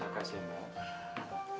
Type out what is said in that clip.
terima kasih mbak